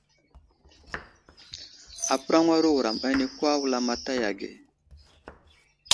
Apəraŋwaro wuram ane kwa wulamataya age.